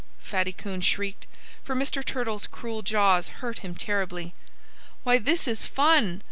Fatty Coon shrieked, for Mr. Turtle's cruel jaws hurt him terribly. "Why, this is fun!"